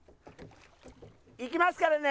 行きますからね。